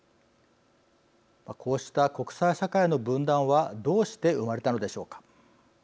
こうした国際社会の分断はどうして生まれたのでしょうか。